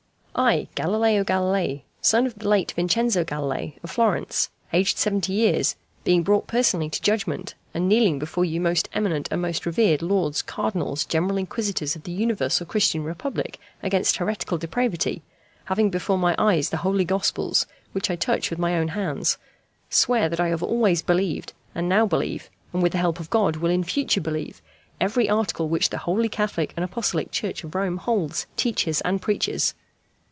"I, Galileo Galilei, son of the late Vincenzo Galilei, of Florence, aged seventy years, being brought personally to judgment, and kneeling before you Most Eminent and Most Reverend Lords Cardinals, General Inquisitors of the universal Christian republic against heretical depravity, having before my eyes the Holy Gospels, which I touch with my own hands, swear that I have always believed, and now believe, and with the help of God will in future believe, every article which the Holy Catholic and Apostolic Church of Rome holds, teaches, and preaches.